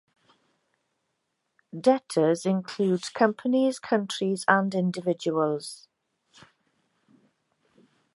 Debtors include companies, countries, and individuals.